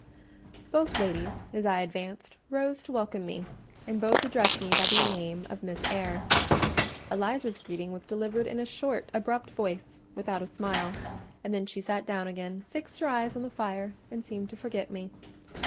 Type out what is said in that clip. Both ladies, as I advanced, rose to welcome me, and both addressed me by the name of "Miss Eyre." Eliza's greeting was delivered in a short, abrupt voice, without a smile; and then she sat down again, fixed her eyes on the fire, and seemed to forget me.